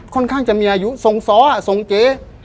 ค่อนข้างจะมีอายุส่งสอส่งเก